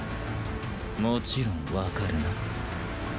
もちろん分かるな。